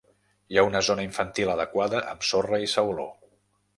Hi ha una zona infantil adequada amb sorra i sauló.